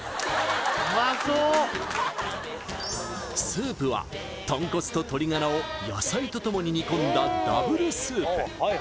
スープは豚骨と鶏ガラを野菜とともに煮込んだＷスープ